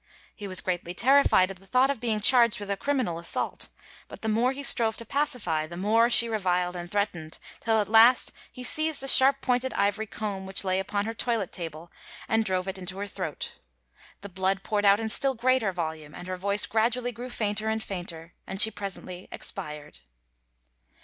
He was greatly terrified at the thought of being charged with a criminal assault; but the more he strove to pacify the more she reviled and threatened, till at last he seized a sharp pointed ivory comb which lay upon her toilet table and drove it into her throat. The blood poured out in still greater volume and her voice gradually grew fainter and fainter, and she presently expired.